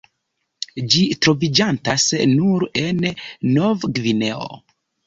Ĝi troviĝantas nur en Novgvineo.